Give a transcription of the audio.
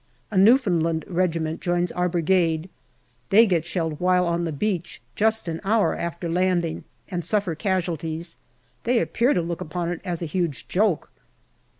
A Newfoundland regiment joins our Brigade. They get shelled while on the beach, just an hour after landing, and suffer casualties. They appear to look upon it as a huge joke.